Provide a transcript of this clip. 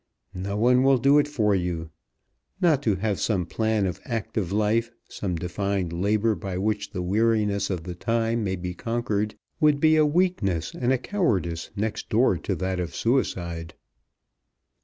"No one will do it for you. Not to have some plan of active life, some defined labour by which the weariness of the time may be conquered, would be a weakness and a cowardice next door to that of suicide."